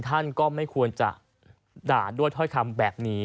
ท่านก็ไม่ควรจะด่าด้วยถ้อยคำแบบนี้